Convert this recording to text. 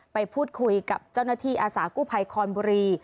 ไปพูดคุยกับเจ้าหน้าที่อาสากู้ภัยคอนบุรี